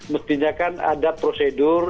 mestinya kan ada prosedur